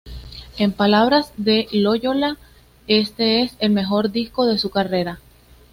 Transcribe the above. En palabras de Loyola, este es el mejor disco de su carrera.